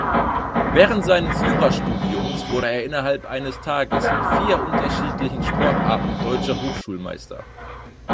Während seines Jurastudiums wurde er innerhalb eines Tages in vier unterschiedlichen Sportarten Deutscher Hochschulmeister.